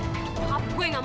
wah gue gak mungkin diam